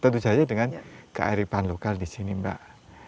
tentu saja dengan kearifan lokal di sini mbak